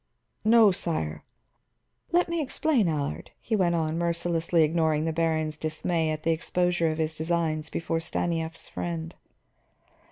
"No, sire " "Let me explain, Allard," he went on, mercilessly ignoring the baron's dismay at the exposure of his designs before Stanief's friend.